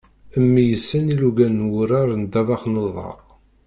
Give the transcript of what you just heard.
Mmi yessen ilugan n wurar n ddabex n uḍar.